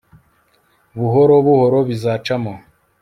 buhoro buhoro bizacamo